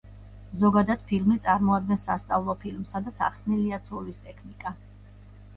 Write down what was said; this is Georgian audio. ზოგადად ფილმი წარმოადგენს სასწავლო ფილმს, სადაც ახსნილია ცურვის ტექნიკა.